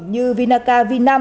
như vinaca v năm